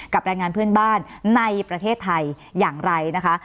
แรงงานเพื่อนบ้านในประเทศไทยอย่างไรนะคะ